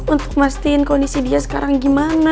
untuk memastikan kondisi dia sekarang gimana